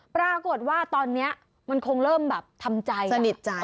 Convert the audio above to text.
ปรากฏว่าตอนนี้มันคงเริ่มแบบทำใจสนิทใจ